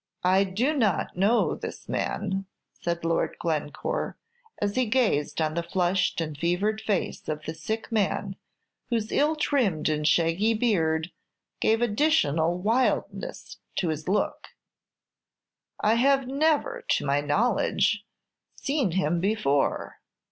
"I do not know this man," said Lord Glencore, as he gazed on the flushed and fevered face of the sick man, whose ill trimmed and shaggy beard gave additional wild ness to his look; "I have never, to my knowledge, seen him before."